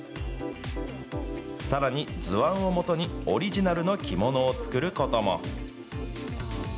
さらに図案をもとに、オリジナルの着物を作ることも。